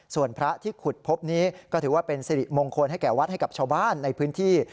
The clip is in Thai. ส่วนพระที่ขุดพบนี้ก็ถือว่าเป็นสิริมงคลให้แก่วัดให้กับชาวบ้านในพื้นที่